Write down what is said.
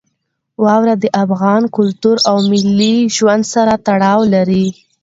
واوره د افغان کلتور او ملي ژوند سره تړاو لري.